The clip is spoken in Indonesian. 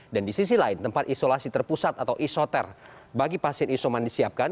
dan di sisi lain tempat isolasi terpusat atau isoter bagi pasien isoman disiapkan